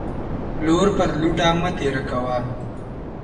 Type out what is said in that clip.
لور پر لوټه مه تيره کوه.